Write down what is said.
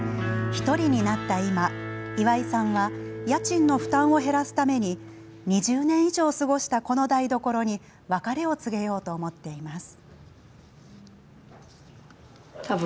１人になった今、岩井さんは家賃の負担を減らすため２０年以上過ごしたこの台所に別れを告げようと思っています。